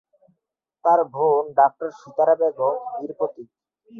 তার বোন ডাক্তার সিতারা বেগম, বীর প্রতীক।